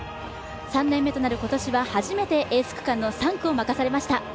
３年目となる今年は初めてエース区間の３区を任されました。